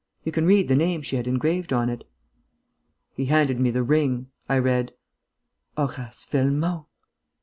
You can read the name she had engraved on it." He handed me the ring. I read: "Horace Velmont."